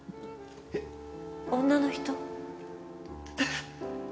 女の人？